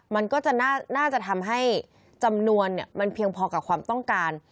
มันก็จะน่าจะทำให้จำนวนมันเพียงพอกับความต้องการ